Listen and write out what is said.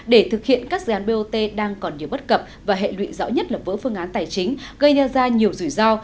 để thực hiện các dự án bot đang còn nhiều bất cập và hệ lụy rõ nhất là vỡ phương án tài chính gây ra nhiều rủi ro